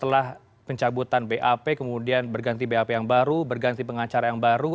setelah pencabutan bap kemudian berganti bap yang baru berganti pengacara yang baru